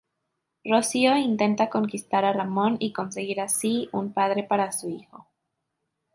Rocío intenta conquistar a Ramón y conseguir así un padre para su hijo.